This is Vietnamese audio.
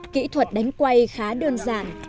kỹ thuật đánh quay khá đơn giản